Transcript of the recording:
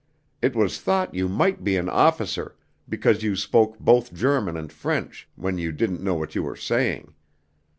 It was thought you might be an officer, because you spoke both German and French, when you didn't know what you were saying.